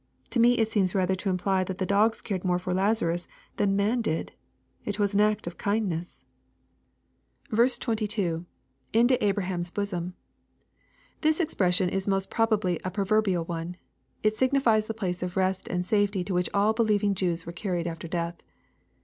To me it seems rather to imply that the dogs cared more for Lazarus than naan did. It was an act of kindness. ' 10 218 EXPOSITOBY THOUuHTS. 22. — [Into AbraJiarn's bosom.] This expression is most probably a proverbial one. It signifies the place of rest and safety to which all believing Jews were carried after death.